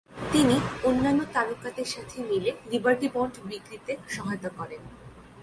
তিনি অন্যান্য তারকাদের সাথে মিলে লিবার্টি বন্ড বিক্রিতে সহায়তা করেন।